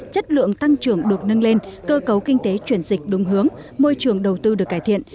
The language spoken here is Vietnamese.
chất lượng tăng trưởng được nâng lên cơ cấu kinh tế chuyển dịch đúng hướng môi trường đầu tư được cải thiện